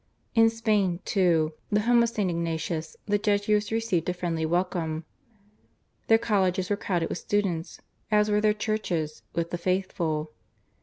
In Spain, too, the home of St. Ignatius the Jesuits received a friendly welcome. Their colleges were crowded with students, as were their churches with the faithful.